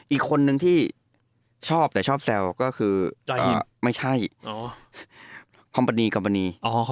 อีกคนนึงที่ชอบแต่ชอบแซวก็คือใจไม่ใช่คอมปานีคอมมณี